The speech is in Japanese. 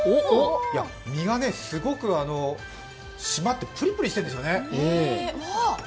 身がすごく締まって、ぷりぷりしてるんですよね。